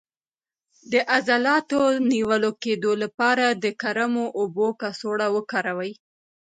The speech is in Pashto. د عضلاتو د نیول کیدو لپاره د ګرمو اوبو کڅوړه وکاروئ